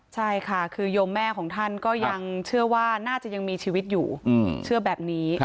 ใช่ค่ะคือโยมแม่ของท่านก็ยังเชื่อว่าน่าจะยังมีชีวิตอยู่เชื่อแบบนี้